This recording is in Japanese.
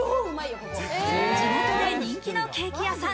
地元で人気のケーキ屋さん。